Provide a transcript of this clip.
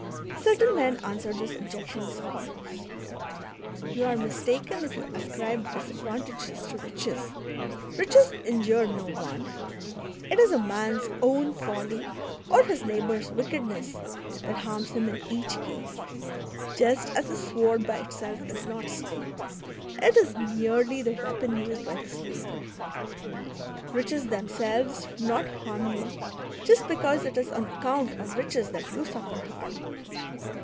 Certain men answer this objection as follows: "You are mistaken if you ascribe disadvantages to riches. Riches injure no one ; it is a man's own folly, or his neighbour's wickedness, that harms him in each case, just as a sword by itself does not slay ; it is merely the weapon used by the slayer. Riches themselves do not harm you, just because it is on account of riches that you suffer harm."